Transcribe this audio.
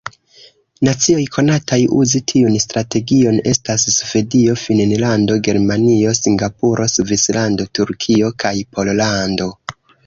Nacioj konataj uzi tiun strategion estas Svedio, Finnlando, Germanio, Singapuro, Svislando, Turkio kaj Pollando.